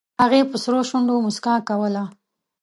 هغې په سرو شونډو موسکا کوله